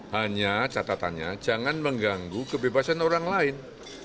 hanya catatannya jangan mengganggu kebebasan orang lain